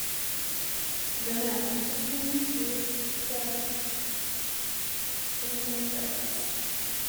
The man, adjusting his cravat, then looked at us.